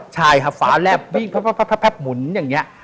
ใช่ค่ะฟ้าแลบวิ่งแพบหมุนอย่างเงี้ย